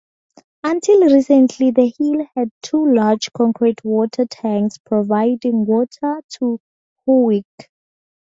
Until recently the hill had two large concrete water tanks providing water to Howick.